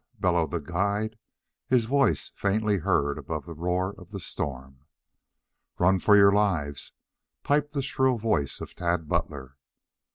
bellowed the guide, his voice faintly heard above the roar of the storm. "Run for your lives!" piped the shrill voice of Tad Butler.